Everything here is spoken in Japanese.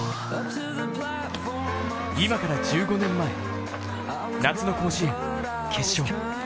今から１５年前夏の甲子園、決勝。